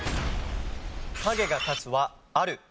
「影が立つ」はある。